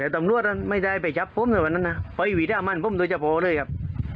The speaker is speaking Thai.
แต่ตำรวจอ่ะไม่ได้ไปชับผมในวันนั้นนะไปวิทยาลามันผมโดยเฉพาะเลยครับ